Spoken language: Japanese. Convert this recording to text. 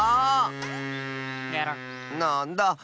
なんだあ。